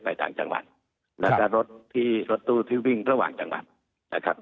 ต่างจังหวัดแล้วก็รถที่รถตู้ที่วิ่งระหว่างจังหวัดนะครับ